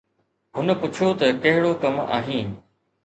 هن پڇيو ته ڪهڙو ڪم آهين؟